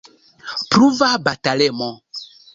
Pruva batalemo.